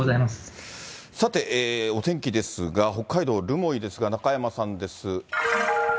さて、お天気ですが、北海道留萌ですが、中山さんです。